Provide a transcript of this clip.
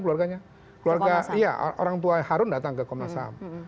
keluarganya keluarga harun datang ke komnas ham